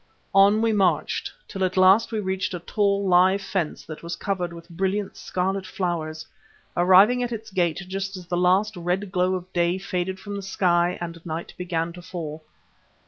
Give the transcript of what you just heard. On we marched till at last we reached a tall, live fence that was covered with brilliant scarlet flowers, arriving at its gate just as the last red glow of day faded from the sky and night began to fall.